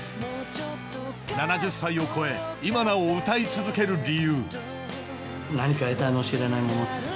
７０歳を超え、今なお歌い続ける理由。